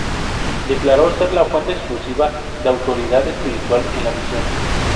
Declaró ser la fuente exclusiva de autoridad espiritual en la Misión.